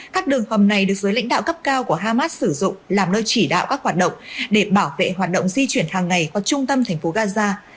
các đường hầm này được dưới lãnh đạo cấp cao của hamas sử dụng làm nơi chỉ đạo các hoạt động để bảo vệ hoạt động di chuyển hàng ngày qua trung tâm thành phố gaza